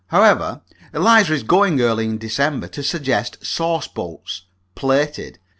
However, Eliza is going early in December to suggest sauce boats (plated).